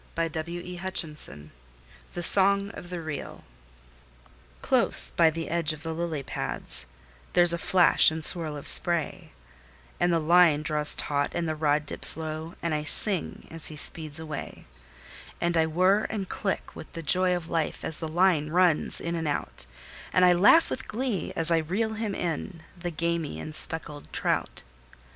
The Song of the Reel Close by the edge of the lily pads, there's a flash and swirl of spray, And the line draws taut, and the rod dips low, and I sing as he speeds away; And I whir and click with the joy of life, as the line runs in and out, And I laugh with glee as I reel him in, the gamy and speckled trout.